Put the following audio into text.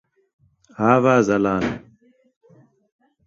Ava zelal